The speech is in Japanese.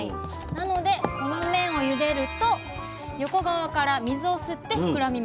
なのでこの麺をゆでると横側から水を吸って膨らみます。